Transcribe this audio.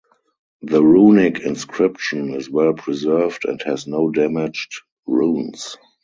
The runic inscription is well preserved and has no damaged runes.